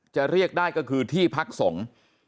เรียกได้ก็คือที่พักสงฆ์